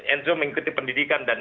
enzo mengikuti pendidikan dan